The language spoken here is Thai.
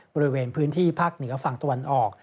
บริเวณพื้นที่ภาคเหนือฝั่งตะวันออก